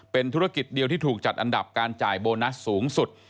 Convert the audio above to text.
เป็นธุรกิจเดียวที่ถูกจัดอันดับการจ่ายโบนัสสูงสุด